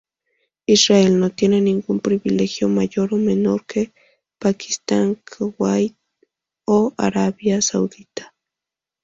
Israel no tiene ningún privilegio mayor o menor que Pakistán, Kuwait o Arabia Saudita.